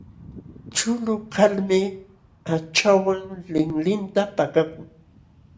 Chulu kalmi aqchanwan linlinta pakakun.